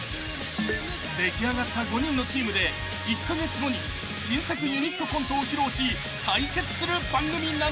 ［出来上がった５人のチームで１カ月後に新作ユニットコントを披露し対決する番組なのだ］